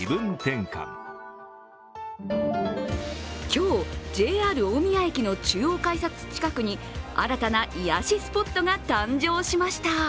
今日、ＪＲ大宮駅の中央改札近くに新たな癒やしスポットが誕生しました。